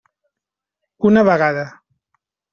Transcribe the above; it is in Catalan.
Una vegada.